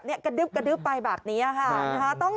นี่ต้องกระดืบไปแบบนี้นะคะ